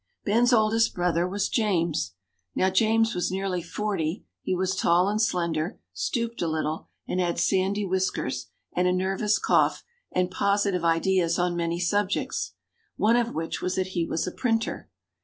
Ben's oldest brother was James. Now, James was nearly forty; he was tall and slender, stooped a little, and had sandy whiskers, and a nervous cough, and positive ideas on many subjects one of which was that he was a printer.